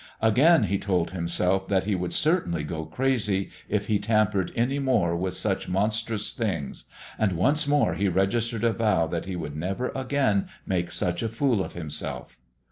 Again he told himself that he would certainly go crazy if he tampered any more with such monstrous things, and once more he registered a vow that he would never again make such a fool of himself.